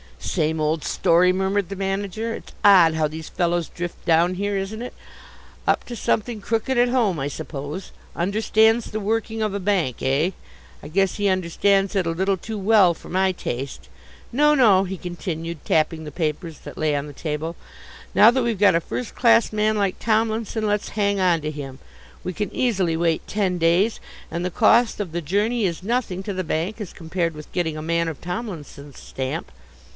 "Same old story," murmured the manager. "It's odd how these fellows drift down here, isn't it? Up to something crooked at home, I suppose. Understands the working of a bank, eh? I guess he understands it a little too well for my taste. No, no," he continued, tapping the papers that lay on the table, "now that we've got a first class man like Tomlinson, let's hang on to him. We can easily wait ten days, and the cost of the journey is nothing to the bank as compared with getting a man of Tomlinson's stamp.